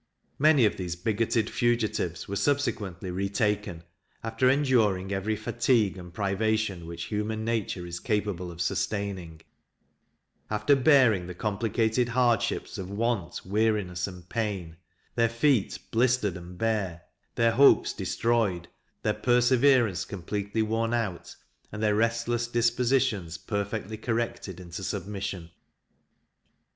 Many of these bigotted fugitives were subsequently re taken, after enduring every fatigue and privation which human nature is capable of sustaining; after bearing the complicated hardships of want, weariness, and pain; their feet blistered and bare, their hopes destroyed, their perseverance completely worn out, and their restless dispositions perfectly corrected into submission.